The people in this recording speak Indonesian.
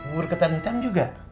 bubur ketan hitam juga